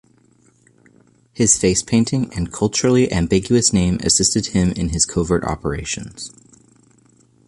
His face painting and culturally-ambiguous name assisted him in his covert operations.